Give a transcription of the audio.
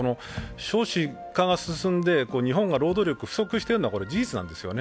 少子化が進んで日本が労働力が不足しているのは事実なんですよね。